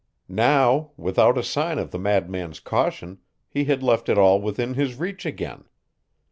Now, without a sign of the madman's caution, he had left it all within his reach again.